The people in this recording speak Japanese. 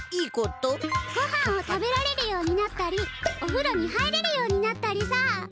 ごはんを食べられるようになったりおふろに入れるようになったりさ。